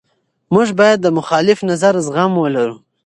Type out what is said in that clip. موږ باید د مخالف نظر زغم ولرو.